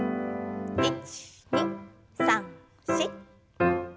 １２３４。